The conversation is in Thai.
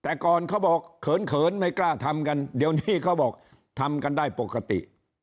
แต่ก่อนเขาบอกเขินเขินไม่กล้าทำกันเดี๋ยวนี้เขาบอกทำกันได้ปกติ